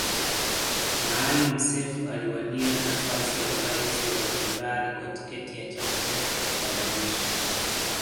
Maalim Seif aliwania nafasi ya urais wa Zanzibari kwa tiketi ya chama cha wananchi